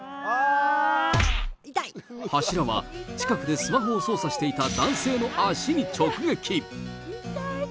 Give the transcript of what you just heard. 柱は近くでスマホを操作していた男性の足に直撃。